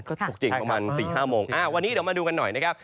ก็ตกจริงประมาณ๔๕โมงวันนี้เดี๋ยวมาดูกันหน่อยนะครับ